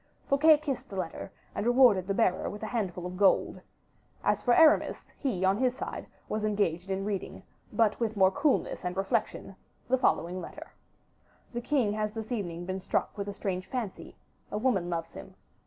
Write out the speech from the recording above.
Fouquet kissed the letter, and rewarded the bearer with a handful of gold. As for Aramis, he, on his side, was engaged in reading, but with more coolness and reflection, the following letter: "The king has this evening been struck with a strange fancy; a woman loves him.